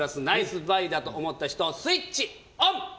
ナイスバイだと思った人スイッチオン！